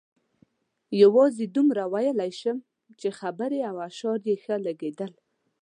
یوازې دومره ویلای شم چې خبرې او اشعار یې ښه لګېدل.